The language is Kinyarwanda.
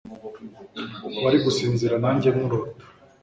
wari gusinzira nanjye nkurota